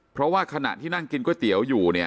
เพราะว่าขณะที่นั่งกินก๋วยเตี๋ยวอยู่เนี่ย